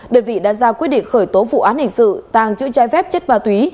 đơn vị đã ra quyết định khởi tố vụ án hình sự tàng trữ che phép chất ma túy